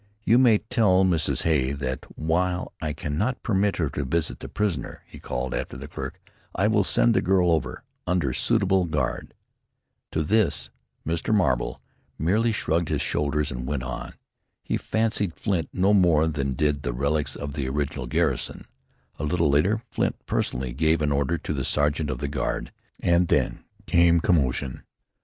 "You may tell Mrs. Hay that while I cannot permit her to visit the prisoner," he called after the clerk, "I will send the girl over under suitable guard." To this Mr. Marble merely shrugged his shoulders and went on. He fancied Flint no more than did the relics of the original garrison. A little later Flint personally gave an order to the sergeant of the guard and then came commotion.